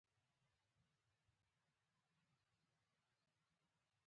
بلکې بیلابیل نومونه په ځان ږدي